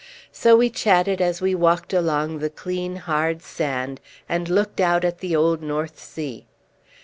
So we chatted as we walked along the clean, hard sand, and looked out at the old North Sea.